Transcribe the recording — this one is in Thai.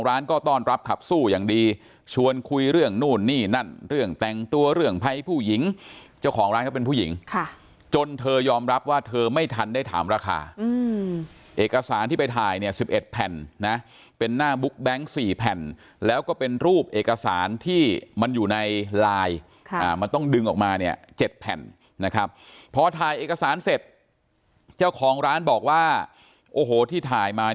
ร้านก็ต้อนรับขับสู้อย่างดีชวนคุยเรื่องนู่นนี่นั่นเรื่องแต่งตัวเรื่องไพผู้หญิงเจ้าของร้านก็เป็นผู้หญิงค่ะจนเธอยอมรับว่าเธอไม่ทันได้ถามราคาอืมเอกสารที่ไปถ่ายเนี่ยสิบเอ็ดแผ่นนะเป็นหน้าบุ๊คแบงค์สี่แผ่นแล้วก็เป็นรูปเอกสารที่มันอยู่ในลายค่ะอ่ามันต้องดึงออกมาเนี่ยเจ็ดแผ่นนะครับพอถ่